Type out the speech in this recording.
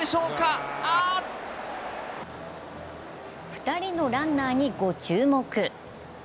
２人のランナーにご注目。